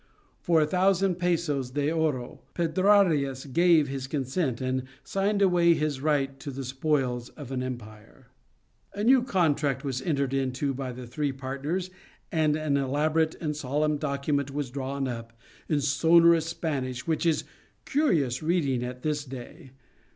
For a thousand pesos de oro Pedrarias gave his consent, and signed away his right to the spoils of an empire. A new contract was entered into by the three partners, and an elaborate and solemn document was drawn up, in sonorous Spanish, which is curious reading at this day.